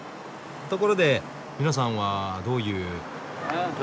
ところで皆さんはどういう？